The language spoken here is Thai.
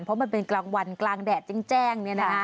เพราะมันเป็นกลางวันกลางแดดแจ้ง